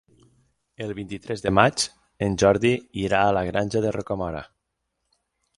El vint-i-tres de maig en Jordi irà a la Granja de Rocamora.